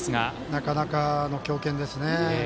なかなかの強肩ですね。